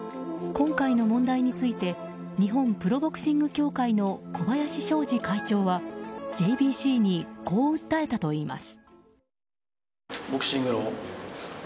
今回の問題について日本プロボクシング協会の小林昭司会長は、ＪＢＣにこう訴えたといいます。